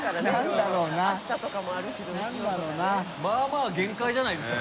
羽鳥）まぁまぁ限界じゃないですか？